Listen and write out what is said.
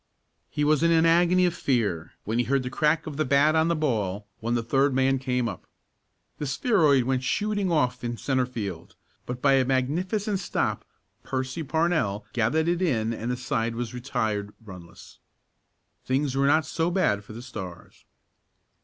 He was in an agony of fear when he heard the crack of the bat on the ball when the third man came up. The spheroid went shooting off in centre field, but by a magnificent stop Percy Parnell gathered it in and the side was retired runless. Things were not so bad for the Stars.